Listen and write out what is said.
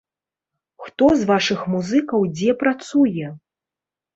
Хто з вашых музыкаў дзе працуе?